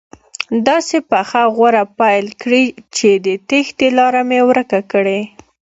داسې پخه غوره پیل کړي چې د تېښتې لاره مې ورکه کړي.